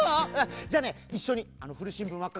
じゃあねいっしょにふるしんぶんわっかけつくってみよ。